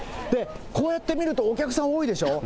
こうやって見ると、お客さん多いでしょう。